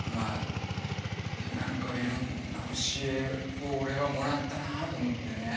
何かいろんな教えを俺はもらったなと思ってね。